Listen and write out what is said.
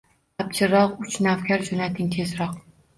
Abjirroq uch navkar jo’nating tezroq